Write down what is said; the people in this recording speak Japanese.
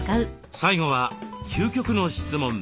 最後は究極の質問。